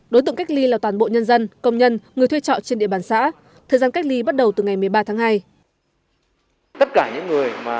đối tượng cách ly là toàn bộ nhân dân công nhân người thuê trọ trên địa bàn xã thời gian cách ly bắt đầu từ ngày một mươi ba tháng hai